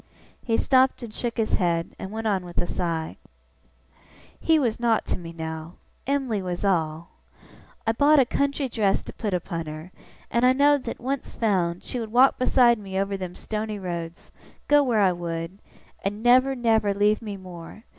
He stopped and shook his head, and went on with a sigh. 'He was nowt to me now. Em'ly was all. I bought a country dress to put upon her; and I know'd that, once found, she would walk beside me over them stony roads, go where I would, and never, never, leave me more.